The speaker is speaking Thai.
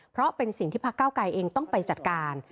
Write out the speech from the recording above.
เพราะเป็นสิ่งที่พักเก้าไกรเองต้องไปจัดการ